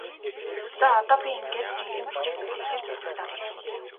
За одоо би ингээд жинхэнэ бичих зүйлийнхээ сэдэвт оръё.